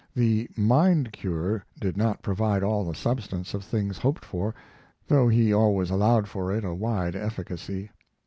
The "mind cure" did not provide all the substance of things hoped for, though he always allowed for it a wide efficacy.